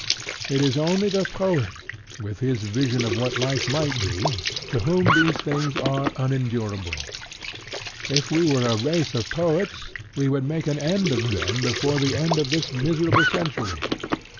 It is only the poet, with his vision of what life might be, to whom these things are unendurable. If we were a race of poets we would make an end of them before the end of this miserable century.